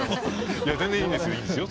全然いいんですよ。